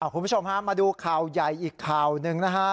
คุณผู้ชมฮะมาดูข่าวใหญ่อีกข่าวหนึ่งนะฮะ